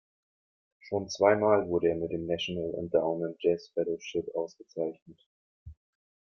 Schon zweimal wurde er mit dem National Endowment Jazz Fellowships ausgezeichnet.